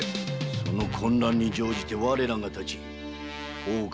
その混乱に乗じて我らが立ち大岡